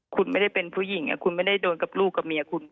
คุณไม่ได้เป็นผู้หญิงคุณไม่ได้โดนกับลูกกับเมียคุณ